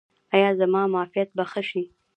ایا زما معافیت به ښه شي؟